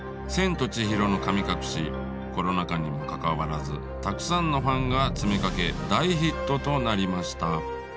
コロナ禍にもかかわらずたくさんのファンが詰めかけ大ヒットとなりました。